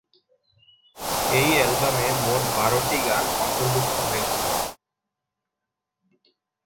এই অ্যালবামে মোট বারোটি গান অন্তর্ভুক্ত হয়েছে।